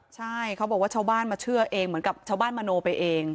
ใช่เขาบอกว่าชาวบ้านมาเชื่อเองเหมือนกับชาวบ้านมโนไปเอง